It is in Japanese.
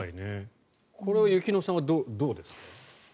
これは雪乃さんはどうですか？